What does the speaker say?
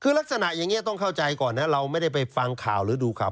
คือลักษณะอย่างนี้ต้องเข้าใจก่อนนะเราไม่ได้ไปฟังข่าวหรือดูข่าว